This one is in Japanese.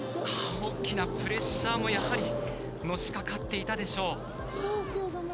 大きなプレッシャーもやはり、のしかかっていたでしょう。